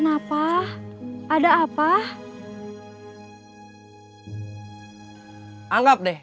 saya lagi bagaimana rain syattulika